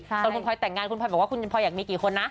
ตอนคุณพลอยแต่งงานคุณพลอยบอกว่าคุณพลอยอยากมีกี่คนนะ